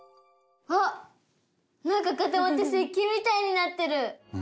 あっなんか固まって石鹸みたいになってる。